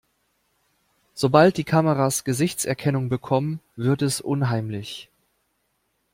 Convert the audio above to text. Sobald die Kameras Gesichtserkennung bekommen, wird es unheimlich.